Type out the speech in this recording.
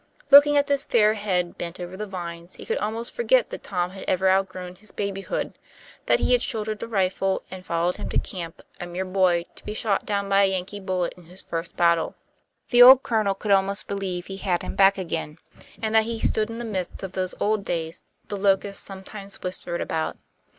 Looking at this fair head bent over the vines, he could almost forget that Tom had ever outgrown his babyhood, that he had shouldered a rifle and followed him to camp, a mere boy, to be shot down by a Yankee bullet in his first battle. The old Colonel could almost believe he had him back again, and that he stood in the midst of those old days the locusts sometimes whispered about.